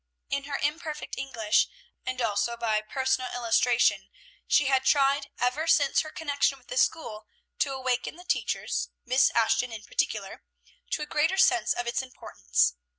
In her imperfect English, and also by personal illustration, she had tried, ever since her connection with this school, to awaken the teachers, Miss Ashton in particular, to a greater sense of its importance.